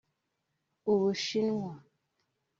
u Bushimwa